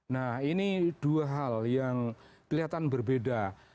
nah ini dua hal yang kelihatan berbeda